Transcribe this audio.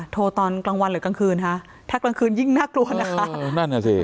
โทรตอนกลางวันหรือกลางคืนถ้ากลางคืนยิ่งนักลวน